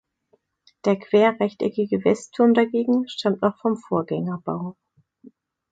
Der querrechteckige Westturm dagegen stammt noch vom Vorgängerbau.